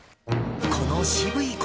この渋い声。